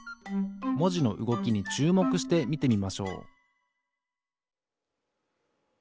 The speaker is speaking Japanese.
もじのうごきにちゅうもくしてみてみましょう